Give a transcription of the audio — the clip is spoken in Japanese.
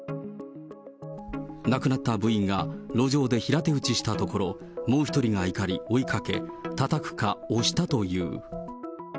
亡くなった部員が路上で平手打ちしたところ、もう１人が怒り、追いかけ、たたくか押したという。